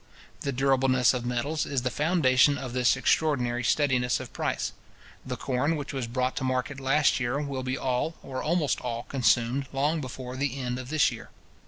The durableness of metals is the foundation of this extraordinary steadiness of price. The corn which was brought to market last year will be all, or almost all, consumed, long before the end of this year.